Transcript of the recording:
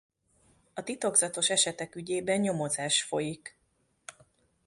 A titokzatos esetek ügyében nyomozás folyik.